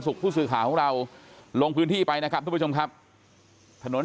ผู้สื่อข่าวของเราลงพื้นที่ไปนะครับทุกผู้ชมครับถนน